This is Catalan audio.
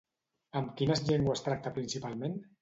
Amb quines llengües tracta principalment?